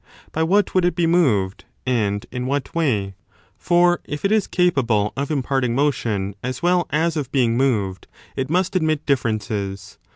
By what would it be moved, and in what way? For if it is capable of imparting motion as well as of being moved, it must admit differences.